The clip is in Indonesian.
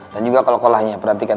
dan juga kalau kolahnya perhatikan